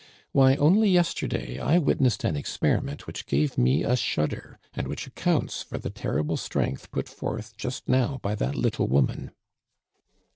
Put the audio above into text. Why, only yesterday, I witnessed an experiment which gave me a shudder, and which accounts for the terrible strength put forth just now by that little woman."